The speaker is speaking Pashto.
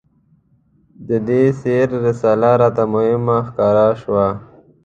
د دې سیر رساله راته مهمه ښکاره شوه.